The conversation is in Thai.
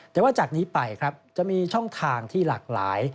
แต่ว่าจากนี้ไปครับจะมีช่องทางที่หลากหลาย